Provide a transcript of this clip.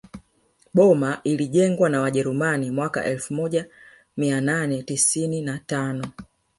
Boma ilijengwa na wajerumani mwaka elfu moja mia nane tisini na tano